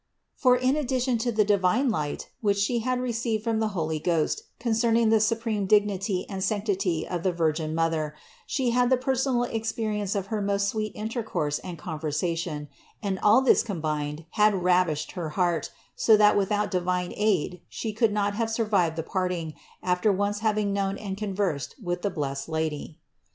For in addition to the divine light, which she had received from the Holy Ghost concerning the supreme dignity and sanctity of the Virgin Mother, she had the personal experience of her most sweet intercourse and conversa tion, and all this combined had ravished her heart, so that 214 THE INCARNATION 215 without divine aid, she could not have survived the part ing, after once having known and conversed with the blessed Lady.